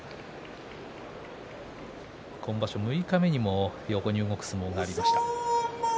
今場所、六日目にも横に動く相撲がありました。